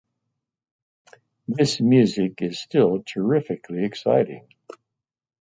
This music is still terrifically exciting.